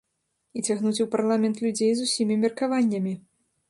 І цягнуць у парламент людзей з усімі меркаваннямі.